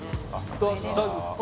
大丈夫ですか？